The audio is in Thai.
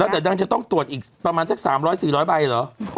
แต่นางจะต้องตรวจอีกประมาณสัก๓๐๐๔๐๐ใบเหรอ